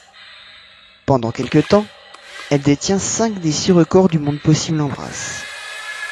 Pendant quelque temps, elle détient cinq des six records du monde possibles en brasse.